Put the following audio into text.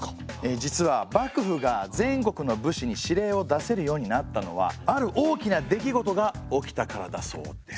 実は幕府が全国の武士に指令を出せるようになったのはある大きな出来事が起きたからだそうです。